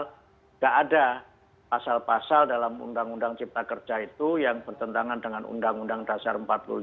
tidak ada pasal pasal dalam undang undang cipta kerja itu yang bertentangan dengan undang undang dasar empat puluh lima